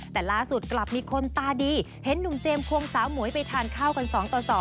แต่ล่าสุดกลับมีคนตาดีเห็นหนุ่มเจมสวงสาวหมวยไปทานข้าวกัน๒ต่อ๒